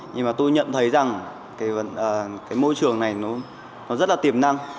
nhưng mà tôi nhận thấy rằng cái môi trường này nó rất là tiềm năng